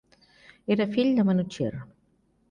Era fill de Manuchihr.